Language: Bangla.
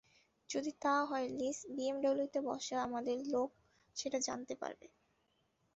যদি তা হয়, লিস, বিএমডব্লুতে বসা আমাদের লোক সেটা জানতে পারবে।